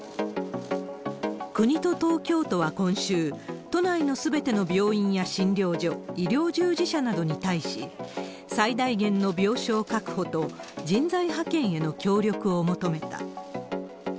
国と東京都は今週、都内のすべての病院や診療所、医療従事者などに対し、最大限の病床確保と人材派遣への協力を求めた。